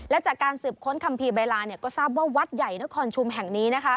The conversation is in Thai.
และจากการสืบค้นคัมภีร์ใบลาก็ทราบว่าวัดใหญ่นครชุมแห่งนี้